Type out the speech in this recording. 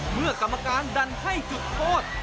เมื่อกรรมการดันให้จุดโทษ